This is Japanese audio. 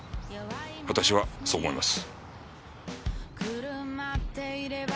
私はそう思います。